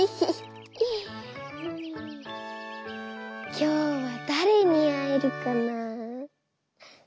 「きょうはだれにあえるかな」。